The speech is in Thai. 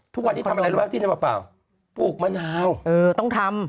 ทุกวันนี้ทำอะไรรึเปล่าที่นี่เปล่าเปล่าปลูกมะนาวเออต้องทำ